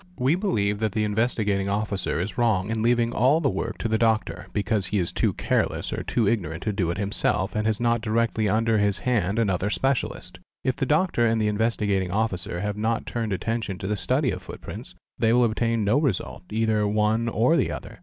We believe that the Investigating Officer is wrong in leaving all the work to the doctor, because he is too careless or too ignorant to do it himself and has not directly under his hand another specialist. If the doctor and the Investigating Officer have not turned attention to the study of footprints, they will obtain no result, either one or the other.